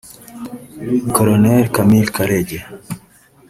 Col Camille Karegye